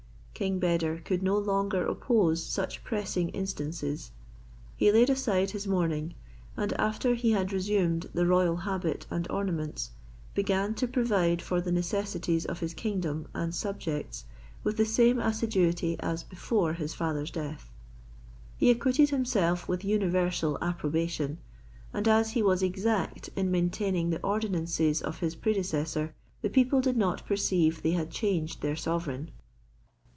King Beder could no longer oppose such pressing instances; he laid aside his mourning; and after he had resumed the royal habit and ornaments, began to provide for the necessities of his kingdom and subjects with the same assiduity as before his father's death. He acquitted himself with universal approbation: and as he was exact in maintaining the ordinances of his predecessor, the people did not perceive they had changed their sovereign.